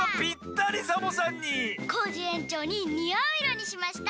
コージえんちょうににあういろにしました。